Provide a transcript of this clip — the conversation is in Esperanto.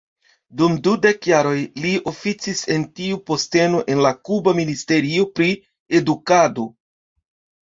Dum dudek jaroj, li oficis en tiu posteno en la Kuba Ministerio pri Edukado.